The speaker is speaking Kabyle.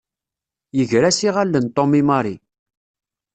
Yegra-s iɣallen Tom i Mary.